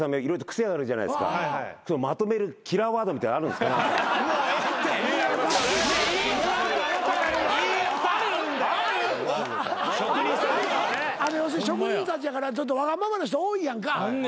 要するに職人たちやからちょっとわがままな人多いやんか。